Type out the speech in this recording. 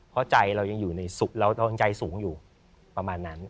เพราะใจเรายังอยู่ในสุขเราใจสูงอยู่ประมาณนั้น